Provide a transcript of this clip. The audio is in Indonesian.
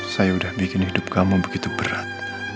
saya udah bikin hidup kamu begitu berat